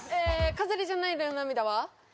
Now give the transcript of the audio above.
「飾りじゃないのよ涙は」